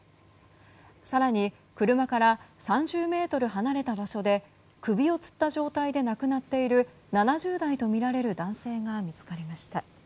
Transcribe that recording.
更に車から３０ｍ離れた場所で首をつった状態で亡くなっている７０代とみられる男性が見つかりました。